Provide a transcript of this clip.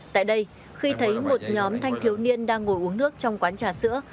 tại đây khi thấy một nhóm thanh thiếu niên đang ngồi uống nước trong quán trà sữa